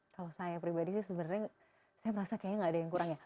kalau saya pribadi sih sebenarnya saya merasa kayaknya nggak ada yang kurang ya